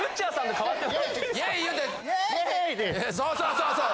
そうそうそう！